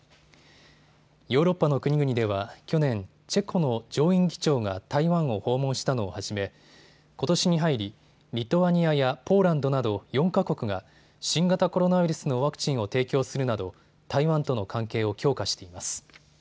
ヨーロッパの国々では去年、チェコの上院議長が台湾を訪問したのをはじめことしに入り、リトアニアやポーランドなど４か国が新型コロナウイルスのワクチンを提供するなど台湾との関係を強化しています。